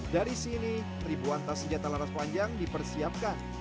dari sini ribuan tas senjata laras panjang dipersiapkan